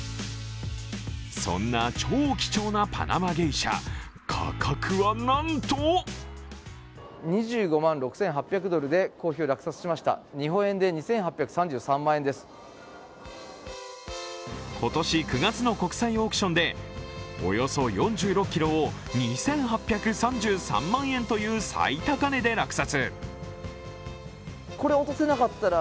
そんな超貴重なパナマゲイシャ、価格はなんと今年９月の国際オークションでおよそ４６ｋｇを２８３３万円という最高値で落札。